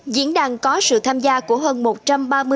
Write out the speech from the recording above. diễn đàn có sự tham gia của hơn một trăm ba mươi đại biểu